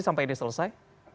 sampai ini selesai